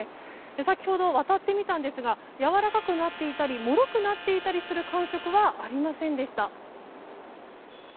先ほど渡ってみたんですがやわらかくなっていたりもろくなっていたりする感触はありませんでした。